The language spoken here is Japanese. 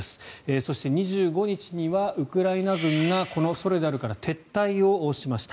そして２５日にはウクライナ軍がこのソレダルから撤退をしました。